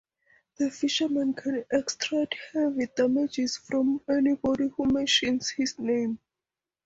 The fisherman can extract heavy damages from anybody who mentions his name.